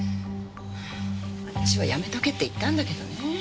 私はやめとけって言ったんだけどね。